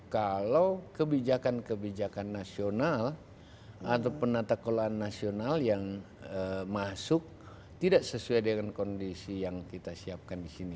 kalau kebijakan kebijakan nasional atau penata kelolaan nasional yang masuk tidak sesuai dengan kondisi yang kita siapkan di sini